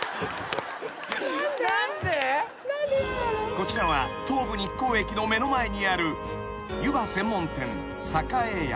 ［こちらは東武日光駅の目の前にある湯葉専門店］